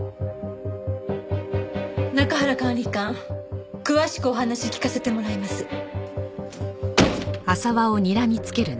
中原管理官詳しくお話聞かせてもらいます。